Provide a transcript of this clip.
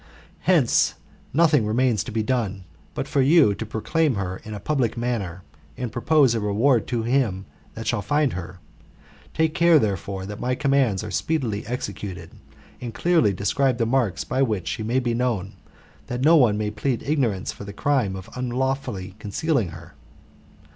Hence nothing remains to be done, but for you to proclaim her in a public manner, and propose a reward to him that shall find her. Take care, therefore, that my commands are speedily executed, and clearly describe the marks by which she may be known, that no one may plead ignorance for the crime of unlawfully concealing her."